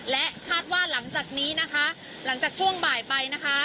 และคาดว่าหลังจากนี้นะคะหลังจากช่วงบ่ายไปนะคะ